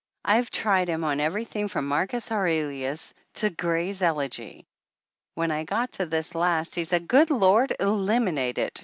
"I've tried him on everything from Marcus Aurelius to Gray's Elegy. When I got to this last he said, 'Good Lord ! Eliminate it